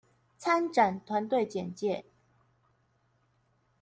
參展團隊簡介